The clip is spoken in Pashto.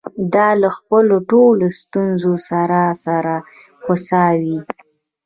دا له خپلو ټولو ستونزو سره سره هوسا وې.